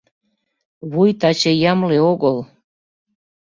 Вуй таче ямле огыл...